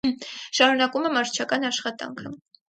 Շարունակում է մարզչական աշխատանքը։